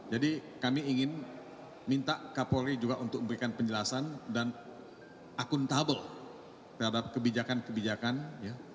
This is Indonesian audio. jadi kami ingin minta kapolri juga untuk memberikan penjelasan dan akuntabel terhadap kebijakan kebijakan ya